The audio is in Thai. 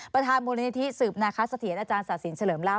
ประธานมูลนิธิสืบนาคสะเทียนอาจารย์ศาสินเฉลิมลาบ